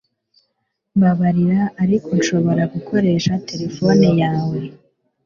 Mbabarira ariko nshobora gukoresha terefone yawe